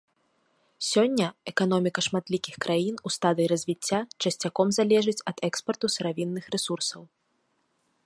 Сёння эканоміка шматлікіх краін у стадыі развіцця часцяком залежыць ад экспарту сыравінных рэсурсаў.